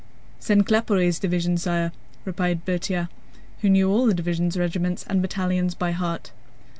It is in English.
"Send Claparède's division, sire," replied Berthier, who knew all the division's regiments, and battalions by heart.